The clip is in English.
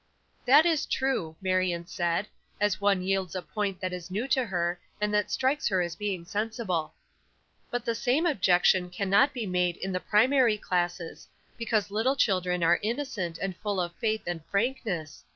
"That is true," Marion said, as one yields a point that is new to her, and that strikes her as being sensible. "But the same objection cannot be made in the primary classes, because little children are innocent and full of faith and frankness.